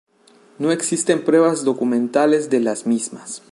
No existen pruebas documentales de las mismas.